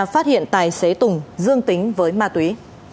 phát hiện tài xế tùng dương tính với ma túy